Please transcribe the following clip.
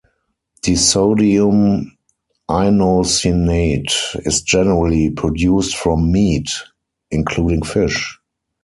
Disodium inosinate is generally produced from meat, including fish.